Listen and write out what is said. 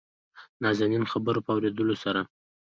دنازنين خبرو په اورېدلو سره